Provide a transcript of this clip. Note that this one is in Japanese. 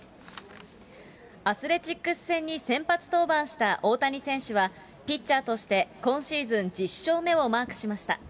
アスレチックス戦に先発登板した大谷選手は、ピッチャーとして今シーズン１０勝目をマークしました。